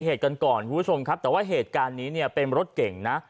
เหตุกันก่อนคุณผู้ชมครับแต่ว่าเหตุการณ์นี้เนี่ยเป็นรถเก่งนะ